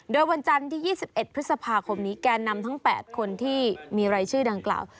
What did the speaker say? โดยวันจันทร์ที่๒๑พฤษภาคมนี้แกนนำทั้ง๘คนที่มีรายชื่อดังกล่าว